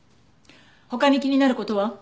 他に気になる事は？